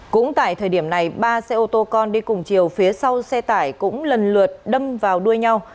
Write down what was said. cũng tại thời điểm này ba xe ô tô con đi cùng chiều phía sau xe tải cũng lần lượt đâm vào đuôi nhau